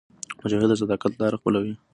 مجاهد د صداقت لاره خپلوي.